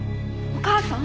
お母さん！